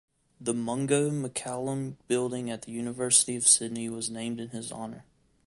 The Mungo MacCallum Building at the University of Sydney was named in his honour.